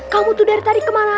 kamu tuh dari tadi kemana mana